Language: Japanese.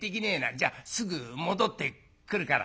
「じゃすぐ戻ってくるから。